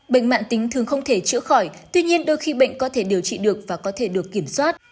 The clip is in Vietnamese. bệnh mạng tính thường không thể chữa khỏi tuy nhiên đôi khi bệnh có thể điều trị được và có thể được kiểm soát